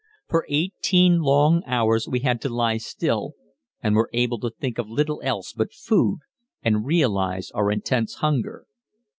For eighteen long hours we had to lie still, and were able to think of little else but food, and realize our intense hunger.